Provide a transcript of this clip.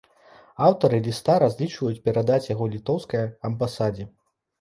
Аўтары ліста разлічваюць перадаць яго літоўскай амбасадзе.